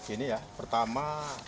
ini ya pertama